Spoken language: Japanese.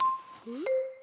うん。